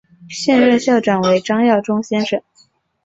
现任校长为张耀忠先生。